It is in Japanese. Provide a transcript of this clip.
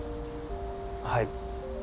はい。